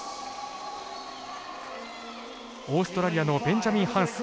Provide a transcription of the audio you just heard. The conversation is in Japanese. オーストラリアのベンジャミン・ハンス。